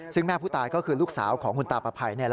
ซึ่งแม่ผู้ตายก็คือลูกสาวของคุณตาประภัย